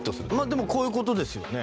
でもこういう事ですよね。